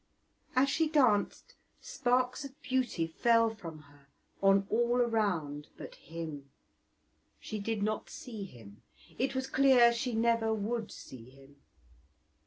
As she danced sparks of beauty fell from her on all around but him; she did not see him; it was clear she never would see him.